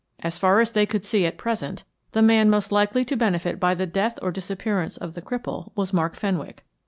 As far as they could see at present, the man most likely to benefit by the death or disappearance of the cripple was Mark Fenwick.